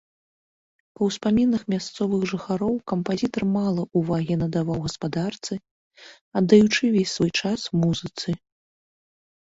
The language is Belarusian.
Па ўспамінах мясцовых жыхароў кампазітар мала ўвагі надаваў гаспадарцы, аддаючы весь свой час музыцы.